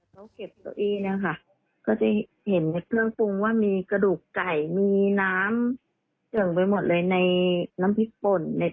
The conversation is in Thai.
เขาเก็บเก้าอี้เนี่ยค่ะก็จะเห็นในเครื่องปรุงว่ามีกระดูกไก่มีน้ำเจิ่งไปหมดเลยในน้ำพริกป่น